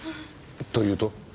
というと？